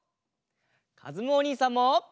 かずむおにいさんも。